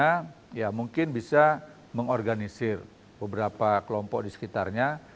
mereka yang berpunya ya mungkin bisa mengorganisir beberapa kelompok di sekitarnya